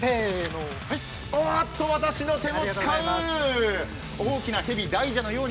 わっと、私の手も使う。